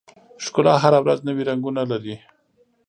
ښکلا هره ورځ نوي رنګونه لري.